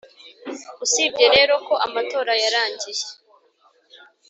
Usibye rero ko amatora yarangiye